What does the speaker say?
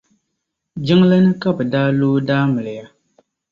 Jiŋli ni ka bɛ daa lo o daa miliya.